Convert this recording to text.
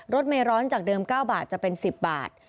เมร้อนจากเดิม๙บาทจะเป็น๑๐บาท